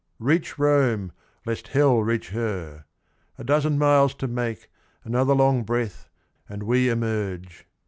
'Reach Rome, Lest hell reach her ! A dozen miles to make, Another long breath, and we emerge